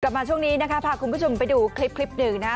มาช่วงนี้นะคะพาคุณผู้ชมไปดูคลิปคลิปหนึ่งนะฮะ